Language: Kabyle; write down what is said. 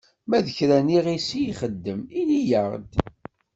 Ma d kra n yiɣisi i yexdem, ini-aɣ-d!